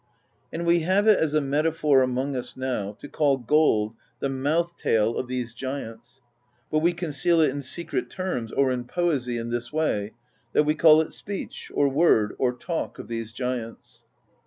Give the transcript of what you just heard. And we have it as a metaphor among us now, to call gold the mouth tale of these giants; but we conceal it in secret terms or in poesy in this way, that we call it Speech, or Word, or Talk, of these giants."